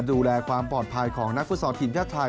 ดูแลความปลอดภัยของนักฟุตซอลทีมชาติไทย